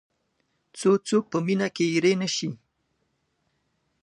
څو څوک په مینه کې اېرې نه شي.